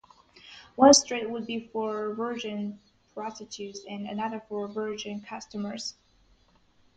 One street would be for virgin prostitutes and another for virgin customers.